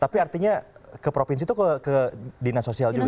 tapi artinya ke provinsi itu ke dinas sosial juga